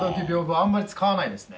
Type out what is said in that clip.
あんまり使わないですね。